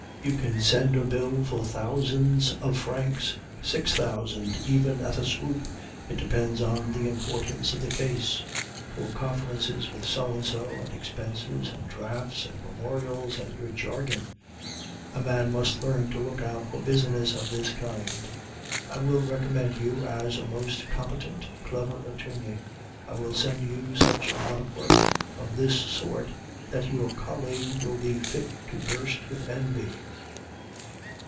'You can send in a bill for thousands of francs, six thousand even at a swoop (it depends on the importance of the case), for conferences with So and so, and expenses, and drafts, and memorials, and your jargon. A man must learn to look out for business of this kind. I will recommend you as a most competent, clever attorney. I will send you such a lot of work of this sort that your colleagues will be fit to burst with envy.